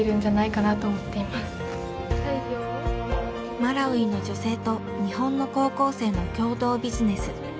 マラウイの女性と日本の高校生の共同ビジネス。